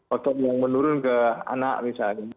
otot yang menurun ke anak misalnya